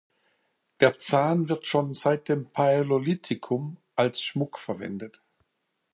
Der Zahn wird schon seit dem Paläolithikum als Schmuck verwendet.